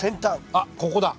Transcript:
あっここだ。